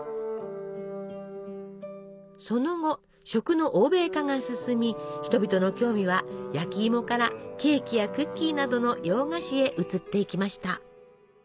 その後食の欧米化が進み人々の興味は焼きいもからケーキやクッキーなどの洋菓子へ移っていきました。